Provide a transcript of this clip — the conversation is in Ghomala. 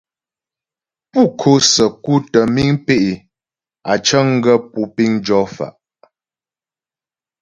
Pú ko'o səku tə́ miŋ pé' á cəŋ gaə́ pú piŋ jɔ fa'.